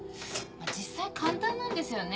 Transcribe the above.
実際簡単なんですよね